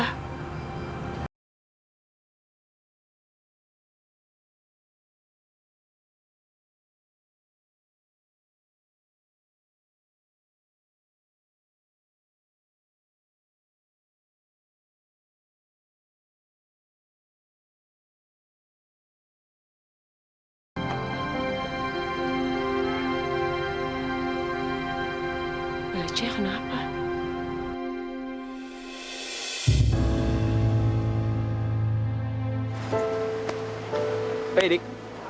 apa ya dik